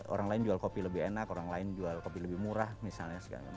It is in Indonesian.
orang lain jual kopi lebih enak orang lain jual kopi lebih murah misalnya segala macam